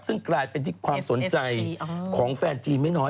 ซึ่งกลายเป็นที่ความสนใจของแฟนจีนไม่น้อย